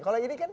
kalau ini kan